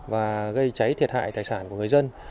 và gây cháy thiệt hại tài sản của người dân